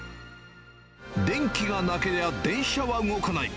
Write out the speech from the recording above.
電気がなけりゃ電車は動かない。